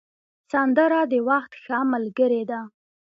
سندره د وخت ښه ملګرې ده